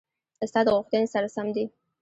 ستا د غوښتنې سره سم دي: